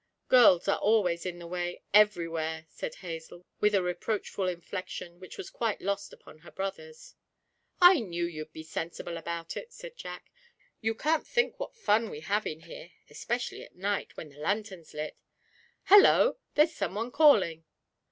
'Girls are always in the way everywhere,' said Hazel, with a reproachful inflection which was quite lost upon her brothers. 'I knew you'd be sensible about it,' said Jack; 'you can't think what fun we have in here especially at night, when the lantern's lit. Hallo! there's some one calling.'